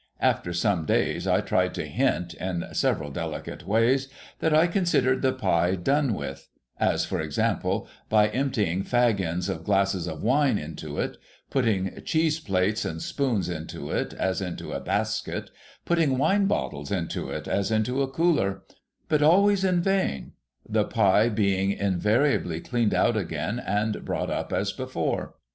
After some days I tried to hint, in several delicate ways, that I considered the pie done with ; as, for example, by emptying fag ends of glasses of wine into it ; putting cheese plates and spoons into it, as into a basket ; putting w'ine bottles into it, as into a cooler ; but always in vain, the pie being invariably cleaned out again and brought up as before.